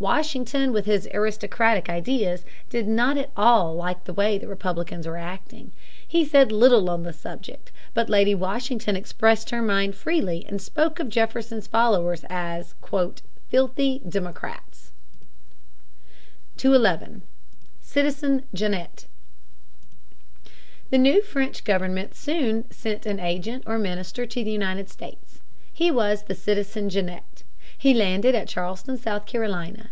Washington, with his aristocratic ideas, did not at all like the way the Republicans were acting. He said little on the subject, but Lady Washington expressed her mind freely and spoke of Jefferson's followers as "filthy Democrats." [Sidenote: Genet at Charleston.] [Sidenote: His contest with the government.] 211. Citizen Genet. The new French government soon sent an agent or minister to the United States. He was the Citizen Genet. He landed at Charleston, South Carolina.